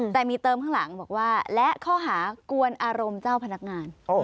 แต่มีเติมข้างหลังบอกว่าและข้อหากวนอารมณ์เจ้าพนักงาน